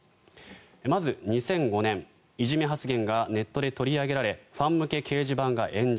まず２００５年、いじめ発言がネットで取り上げられファン向け掲示板が炎上。